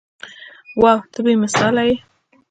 واو ته بې مثاله يې.